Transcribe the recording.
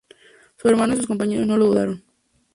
Su hermano y sus compañeros no lo dudaron.